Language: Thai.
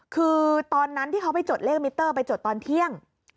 คือตอนนั้นที่เขาไปจดเลขมิเตอร์ไปจดตอนเที่ยง